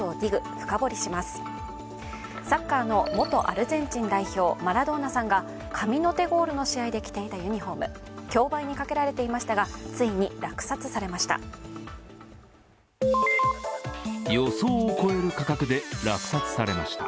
サッカーの元アルゼンチン代表マラドーナさんが神の手ゴールの試合で着ていたユニフォーム、競売にかけられていましたが、ついに落札されました。